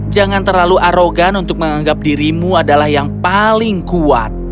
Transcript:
jangan terlalu arogan untuk menganggap dirimu adalah yang paling kuat